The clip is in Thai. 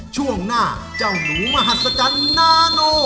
ช่วงหน้าเจ้าหนูมหัศจรรย์นาโน